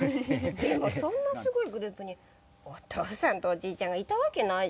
でもそんなすごいグループにおとうさんとおじいちゃんがいたわけないじゃない。